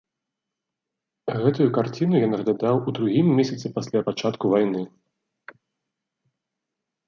Гэтую карціну я наглядаў у другім месяцы пасля пачатку вайны.